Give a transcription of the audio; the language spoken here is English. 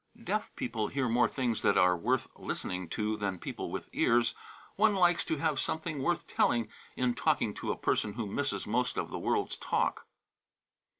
"Deaf people hear more things that are worth listening to than people with better ears; one likes to have something worth telling in talking to a person who misses most of the world's talk."